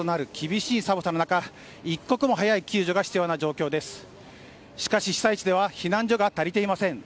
しかし、被災地では避難所が足りていません。